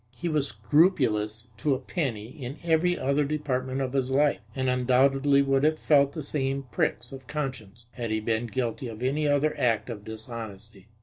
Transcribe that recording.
He was scrupulous to a penny in every other department of his life, and undoubtedly would have felt the same pricks of conscience had he been guilty of any other act of dishonesty.